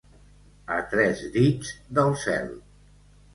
A tres dits del cel.